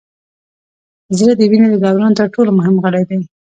زړه د وینې د دوران تر ټولو مهم غړی دی